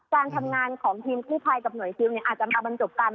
การทำงานของทีมกู้ภัยกับหน่วยซิลอาจจะมาบรรจบกัน